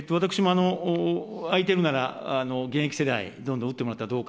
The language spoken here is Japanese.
私も空いてるなら、現役世代、どんどん打ってもらったらどうか